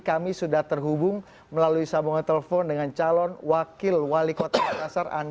kami sudah terhubung melalui sambungan telepon dengan calon wakil wali kota makassar